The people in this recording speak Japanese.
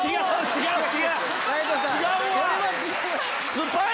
違う違う！